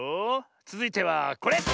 つづいてはこれ！